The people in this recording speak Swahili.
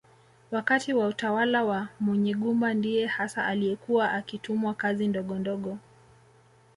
Wakati wa utawala wa Munyigumba ndiye hasa aliyekuwa akitumwa kazi ndogondogo